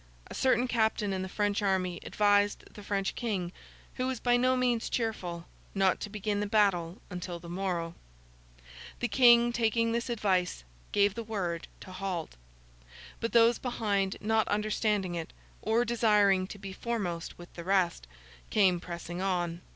A certain captain in the French army advised the French King, who was by no means cheerful, not to begin the battle until the morrow. The King, taking this advice, gave the word to halt. But, those behind not understanding it, or desiring to be foremost with the rest, came pressing on.